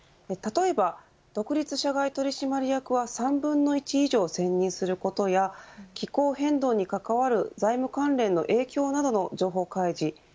例えば独立社外取締役は３分の１以上、選任することや気候変動に関わる財務関連の影響などの情報開示。